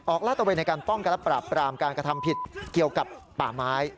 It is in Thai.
ลาดตะเวนในการป้องกันและปราบปรามการกระทำผิดเกี่ยวกับป่าไม้